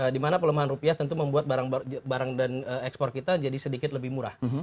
dimana pelemahan rupiah tentu membuat barang dan ekspor kita jadi sedikit lebih murah